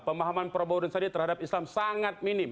pemahaman prabowo dan sandi terhadap islam sangat minim